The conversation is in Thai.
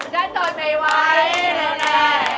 ฉันโดนไม่ไหวแล้วแน่